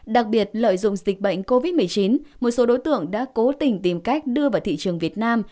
đặc biệt lợi dụng dịch bệnh covid một mươi chín một số đối tượng đã cố tình tìm cách đưa vào thị trường việt nam